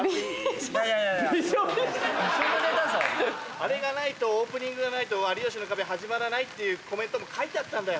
あれがないとオープニングがないと『有吉の壁』始まらないっていうコメントも書いてあったんだよ。